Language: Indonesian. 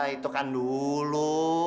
itu kan dulu